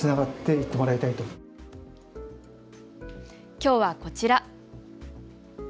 きょうはこちら。